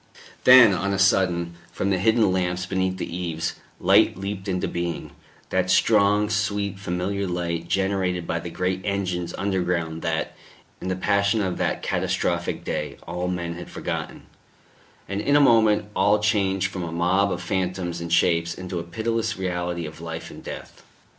Then, on a sudden, from the hidden lamps beneath the eaves, light leaped into being that strong, sweet, familiar light, generated by the great engines underground that, in the passion of that catastrophic day, all men had forgotten; and in a moment all changed from a mob of phantoms and shapes into a pitiless reality of life and death.